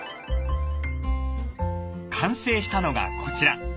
完成したのがこちら。